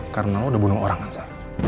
karena lo udah bunuh orang kan sa